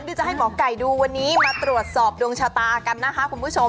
ที่จะให้หมอไก่ดูวันนี้มาตรวจสอบดวงชะตากันนะคะคุณผู้ชม